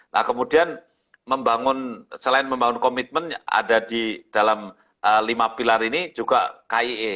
nah kemudian membangun selain membangun komitmen ada di dalam lima pilar ini juga kie